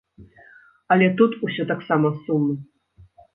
Але тут усё таксама сумна.